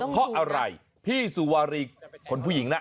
เพราะอะไรพี่สุวารีคนผู้หญิงนะ